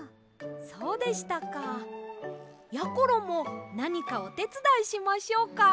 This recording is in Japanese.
そうでしたか。やころもなにかおてつだいしましょうか？